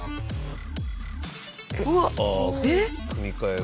ああ組み替えが。